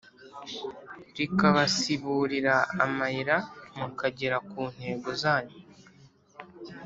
Rikabasiburira amayira mukagera kuntego zanyu